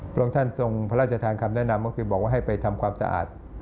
พระองค์ท่านทรงพระราชทานคำแนะนำก็คือบอกว่าให้ไปทำความสะอาด